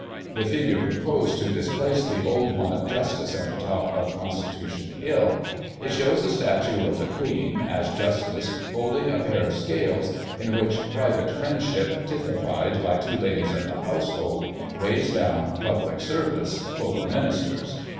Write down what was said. The figure proposed to displace the old one of Justice at the top of Constitution Hill." It shows a statue of the Queen, as Justice, holding a pair of scales, in which "Private Friendship," typified by two ladies of the household, weighs down " Public Service " full of Ministers.